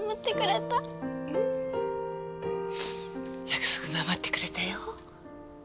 約束守ってくれたよ。